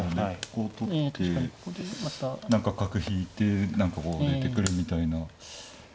ここを取って何か角引いて何かこう出てくるみたいな。